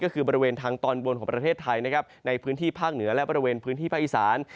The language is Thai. ก็คือบริเวณทางตอนบนของประเทศไทยนะครับในพื้นที่ภาคเหนือและบริเวณพื้นที่ภาคอีสาน